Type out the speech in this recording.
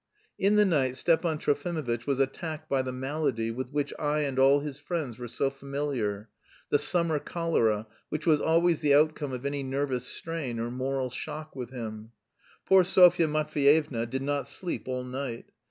In the night Stepan Trofimovitch was attacked by the malady with which I and all his friends were so familiar the summer cholera, which was always the outcome of any nervous strain or moral shock with him. Poor Sofya Matveyevna did not sleep all night.